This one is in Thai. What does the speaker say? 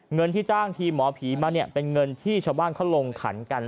เงินที่จ้างทีมหมอผีมาเนี่ยเป็นเงินที่ชาวบ้านเขาลงขันกัน